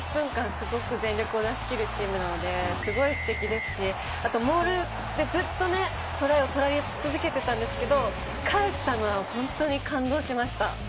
すごく全力を出し切るチームなので、すごいステキですし、あとモールでずっとね、トライを取られ続けてたんですけれど、返したのが本当に感動しました。